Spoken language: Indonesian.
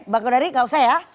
bang kudari nggak usah ya